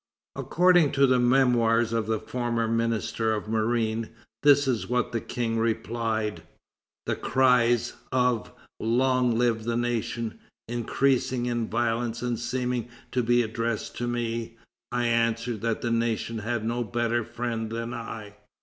According to the Memoirs of the former Minister of Marine, this is what the King replied: "The cries of 'Long live the Nation' increasing in violence and seeming to be addressed to me, I answered that the nation had no better friend than I.